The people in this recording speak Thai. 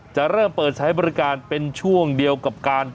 จะเริ่มเปิดใช้บริการเป็นช่วงเดียวกับการ